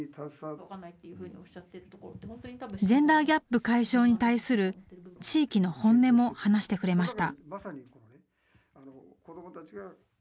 ジェンダーギャップ解消に対する地域の本音も話してくれました。